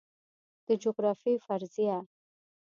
د جغرافیې فرضیه